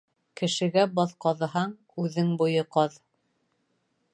Кешегә баҙ ҡаҙыһаң, үҙең буйы ҡаҙ.